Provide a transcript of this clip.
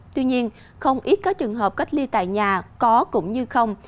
tuy nhiên không ít các trường hợp cách ly tại nhà có cũng như không